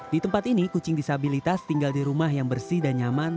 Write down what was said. di tempat ini kucing disabilitas tinggal di rumah yang bersih dan nyaman